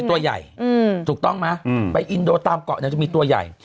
ตัวใหญ่ถูกต้องไปอินโดตามเกาะจะมีตัวใหญ่